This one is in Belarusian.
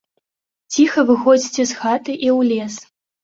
Ціха выходзьце з хаты і ў лес.